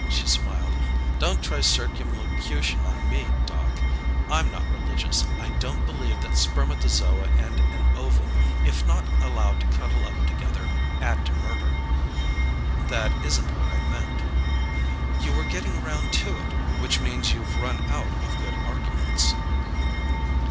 She smiled. "Don't try circumlocution on me, Doc. I'm not religious. I don't believe that spermatozoa and an ovum, if not allowed to cuddle up together, add up to murder." "That isn't what I meant " "You were getting around to it which means you've run out of good arguments."